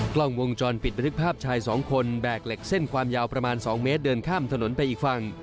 กล้องวงจรปิดบันทึกภาพชายสองคนแบกเหล็กเส้นความยาวประมาณ๒เมตรเดินข้ามถนนไปอีกฝั่ง